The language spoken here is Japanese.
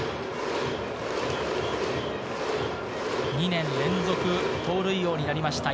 ２年連続盗塁王になりました。